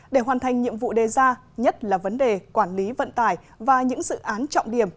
để hoàn thành nhiệm vụ đề ra nhất là vấn đề quản lý vận tải và những dự án trọng điểm